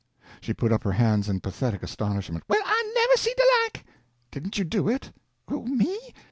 She put up her hands in pathetic astonishment. "Well, I never see de like!" "Didn't you do it?" "Who, me?